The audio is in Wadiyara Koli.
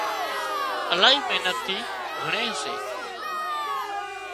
الاهي محنت ٿِي ڀڻي سي